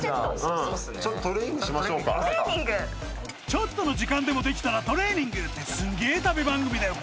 ちょっとの時間でもできたらトレーニングってすげぇ旅番組だよ